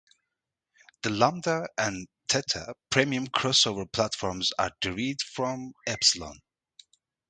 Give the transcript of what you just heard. The Lambda and Theta Premium crossover platforms are derived from Epsilon.